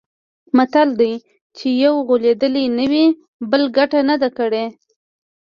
متل دی: چې یو غولېدلی نه وي، بل ګټه نه ده کړې.